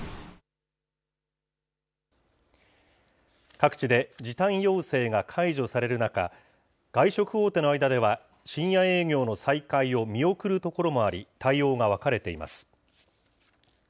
各地で時短要請が解除される中、外食大手の間では、深夜営業の再開を見送るところもあり、対応が分かれています。